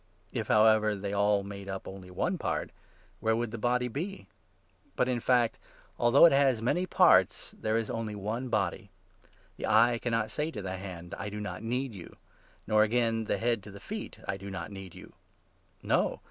If, however, they all made up 19 only one part, where would the body be ? But in fact, although 20 it has many parts, there is only one body. The eye cannot say 21 to the hand ' I do not need you,' nor, again, the head to the feet ' I do not need you.' No